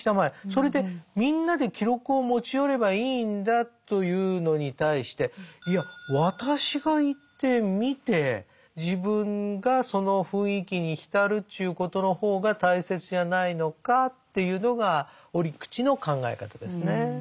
それでみんなで記録を持ち寄ればいいんだというのに対していや私が行って見て自分がその雰囲気に浸るっちゅうことの方が大切じゃないのかっていうのが折口の考え方ですね。